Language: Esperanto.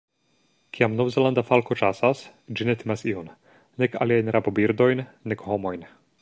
Kiam Novzelanda falko ĉasas ĝi ne timas iun, nek aliajn rabobirdojn, nek homojn.